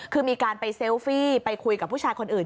คือมีการไปเซลฟี่ไปคุยกับผู้ชายคนอื่น